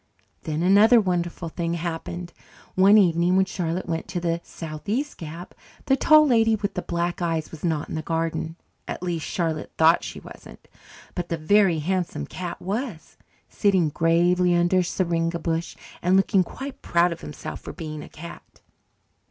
Then another wonderful thing happened. One evening when Charlotte went to the southeast gap, the Tall Lady with the Black Eyes was not in the garden at least, Charlotte thought she wasn't. But the Very Handsome Cat was, sitting gravely under a syringa bush and looking quite proud of himself for being a cat.